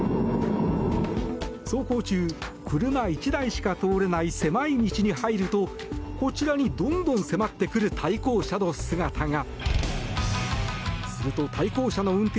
走行中、車１台しか通れない狭い道に入るとこちらにどんどん迫ってくる対向車の姿が。